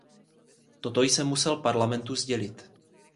Toto jsem musel Parlamentu sdělit.